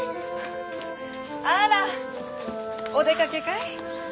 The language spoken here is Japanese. あらお出かけかい？